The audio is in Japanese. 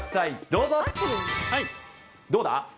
どうだ？